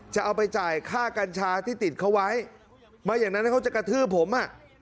จะเอาใจค่ากัญชาที่ติดเขาไว้ไม่อย่างนั้นก็จะกระทืบผม